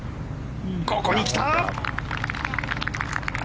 ここに来た！